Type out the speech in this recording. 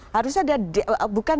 harus ada deal bukan